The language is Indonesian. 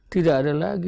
tidak ada lagi